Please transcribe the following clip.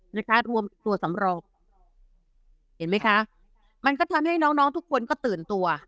นะคะรวมตัวสำรองเห็นไหมคะมันก็ทำให้น้องน้องทุกคนก็ตื่นตัว